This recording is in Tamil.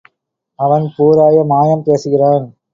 அவன் பூராய மாயம் பேசுகிறான்.